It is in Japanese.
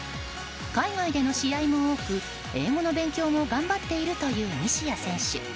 海外での試合も多く英語の勉強も頑張っているという西矢選手。